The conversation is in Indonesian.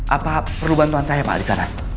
apa perlu bantuan saya pak di sana